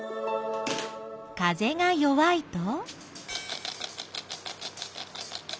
風が弱いと？